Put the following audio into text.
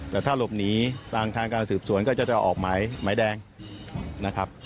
แต่ถ้าหลบหนีทางการสืบสวนก็จะออกหมายแดงนะครับ